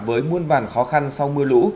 với muôn vàn khó khăn sau mưa lũ